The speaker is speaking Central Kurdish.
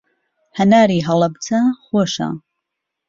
هەناری هەڵەبجە خۆشە.